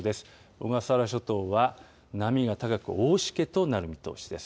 小笠原諸島は波が高く、大しけとなる見通しです。